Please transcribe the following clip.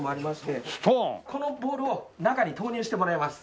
このボールを中に投入してもらいます。